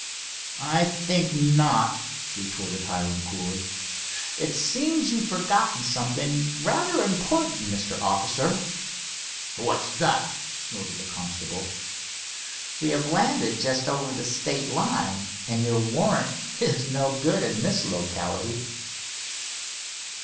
"I think not," retorted Hiram, coolly. "It seems you've forgotten something rather important, Mr. Officer." "What's that?" snorted the constable. "We have landed just over the state line and your warrant is no good in this locality."